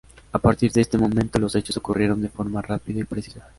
A partir de este momento, los hechos ocurrieron de forma rápida y precisa.